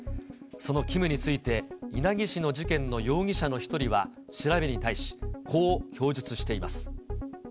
そのＫＩＭについて、稲城市の事件の容疑者の１人は、調べに対し、こう供述しています。